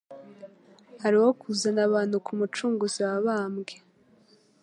ari uwo kuzana abantu ku mucunguzi wabambwe.